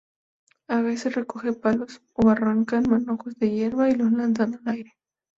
A veces recogen palos o arrancan manojos de hierba, y los lanzan al aire.